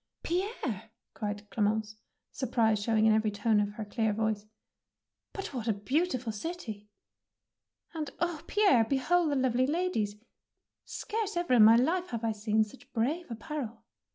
'^" Pierre,'^ cried Clemence, surprise showing in every tone of her clear voice, '^but what a beautiful cityJ And oh, Pierre, behold the lovely ladies ! Scarce ever in my life have I seen such brave apparel."